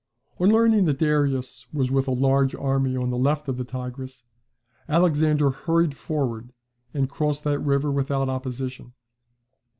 On learning that Darius was with a large army on the left of the Tigris, Alexander hurried forward and crossed that river without opposition.